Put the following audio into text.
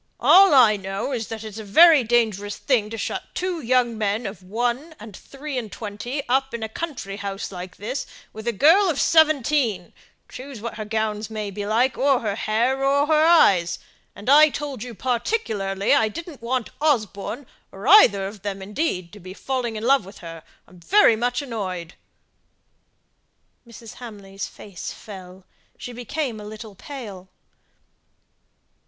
All I know is, that it's a very dangerous thing to shut two young men of one and three and twenty up in a country house like this with a girl of seventeen choose what her gowns may be like, or her hair, or her eyes. And I told you particularly I didn't want Osborne, or either of them, indeed, to be falling in love with her. I'm very much annoyed." Mrs. Hamley's face fell; she became a little pale.